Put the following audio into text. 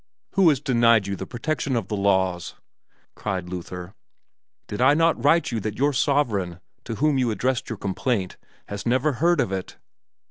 "Who has denied you the protection of the laws?" cried Luther. "Did I not write you that your sovereign, to whom you addressed your complaint, has never heard of it?